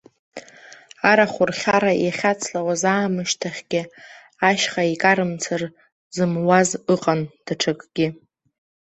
Арахә рхьара иахьацлауаз аамышьҭахьгьы, ашьха икарымцар зымуаз ыҟан даҽакгьы.